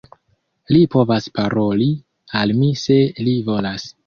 Li povas paroli al mi se li volas.